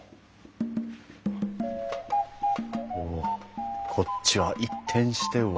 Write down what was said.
おおこっちは一転して和の空間。